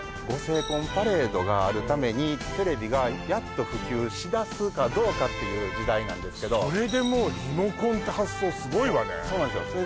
ご成婚パレードがあるためにテレビがやっと普及しだすかどうかっていう時代なんですけどそれでもうリモコンって発想すごいわねそうなんですよ